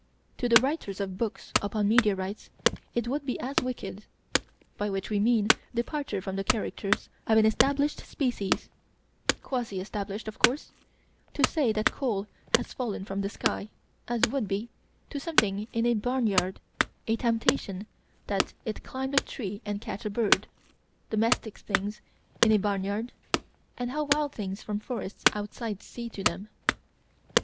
To the writers of books upon meteorites, it would be as wicked by which we mean departure from the characters of an established species quasi established, of course to say that coal has fallen from the sky, as would be, to something in a barnyard, a temptation that it climb a tree and catch a bird. Domestic things in a barnyard: and how wild things from forests outside seem to them.